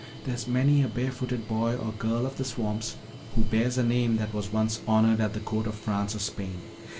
There's many a barefooted boy or girl of the swamps who bears a name that was once honored at the Court of France or Spain.